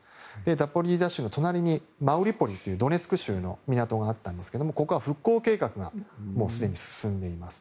ザポリージャ州の隣にマリウポリというドネツク州の港があったんですがここは復興計画がすでに進んでいます。